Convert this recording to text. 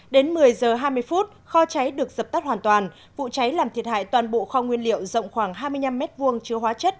đến một mươi h hai mươi phút kho cháy được dập tắt hoàn toàn vụ cháy làm thiệt hại toàn bộ kho nguyên liệu rộng khoảng hai mươi năm m hai chứa hóa chất